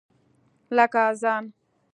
لکه اذان !